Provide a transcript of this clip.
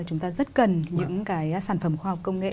chúng ta rất cần những cái sản phẩm khoa học công nghệ